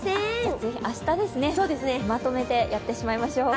ぜひ、明日まとめてやってしまいましょう。